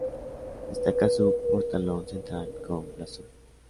Destaca su portalón central con blasón.